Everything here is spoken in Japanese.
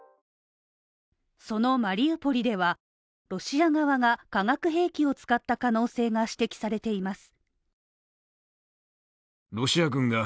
そのマリウポリでは、ロシア側が化学兵器を使った可能性が指摘されています。